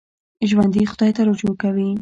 ژوندي خدای ته رجوع کوي